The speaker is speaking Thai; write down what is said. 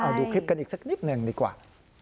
เอาดูคลิปกันอีกสักนิดหนึ่งดีกว่า